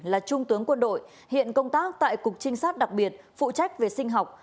là trung tướng quân đội hiện công tác tại cục trinh sát đặc biệt phụ trách về sinh học